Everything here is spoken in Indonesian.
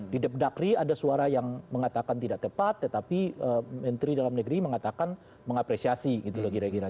di dakri ada suara yang mengatakan tidak tepat tetapi menteri dalam negeri mengatakan mengapresiasi gitu loh kira kira